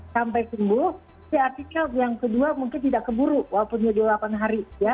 sampai sembuh artikel yang kedua mungkin tidak keburu walaupun sudah delapan hari